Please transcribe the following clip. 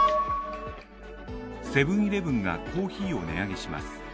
セブン−イレブンがコーヒーを値上げします。